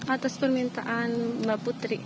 atas permintaan mbak putri